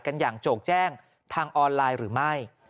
กันอย่างโจกแจ้งทางออนไลน์หรือไม่